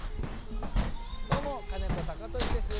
どうも金子貴俊です。